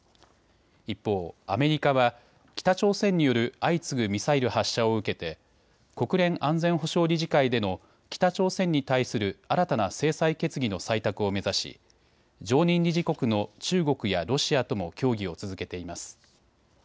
一方、アメリカは北朝鮮による相次ぐミサイル発射を受けて国連安全保障理事会での北朝鮮に対する新たな制裁決議の採択を目指し常任理事国の中国やロシアとも協議を続けています。